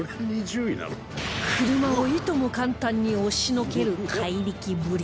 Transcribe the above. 車をいとも簡単に押しのける怪力ぶり